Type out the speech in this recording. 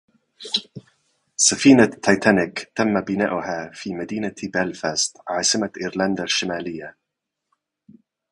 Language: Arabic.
سفينة تيتانيك تم بناؤها في مدينة بلفاست عاصمة أيرلندا الشمالية.